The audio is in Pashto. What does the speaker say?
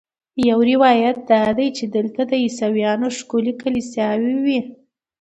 یو روایت دا دی چې دلته د عیسویانو ښکلې کلیساوې وې.